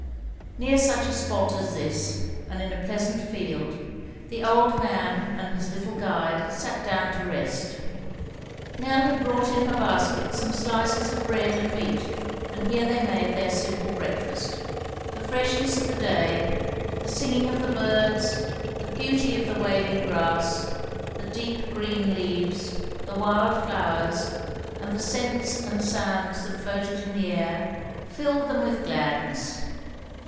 Near such a spot as this, and in a pleasant field, the old man and his little guide sat down to rest. Nell had brought in her basket some slices of bread and meat, and here they made their simple breakfast. The freshness of the day, the singing of the birds, the beauty of the waving grass, the deep green leaves, the wild flowers, and the scents and sounds that floated in the air, filled them with gladness.